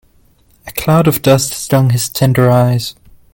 A cloud of dust stung his tender eyes.